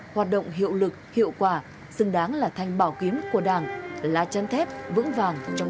hoạt động hiệu lực hiệu quả xứng đáng là thanh bảo kiếm của đảng lá chân thép vững vàng trong